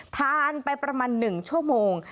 ทานไปประมาณ๑ชั่วโมง